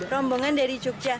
rombongan dari jogja